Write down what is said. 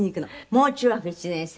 「もう中学１年生？」